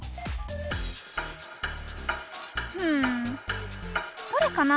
うんどれかな